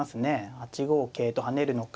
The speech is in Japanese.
８五桂と跳ねるのか